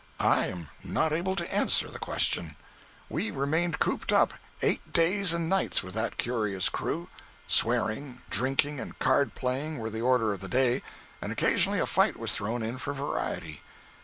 I am not able to answer the question. We remained cooped up eight days and nights with that curious crew. Swearing, drinking and card playing were the order of the day, and occasionally a fight was thrown in for variety.